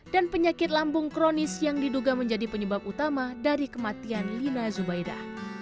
dan penyakit lambung kronis yang diduga menjadi penyebab utama dari kematian lina jubaida